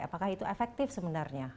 apakah itu efektif sebenarnya